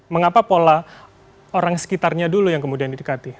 mengapa pola orang sekitarnya dulu yang kemudian di dekati